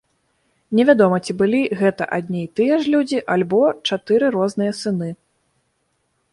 Невядома, ці былі гэта адны і тыя ж людзі, альбо чатыры розныя сыны.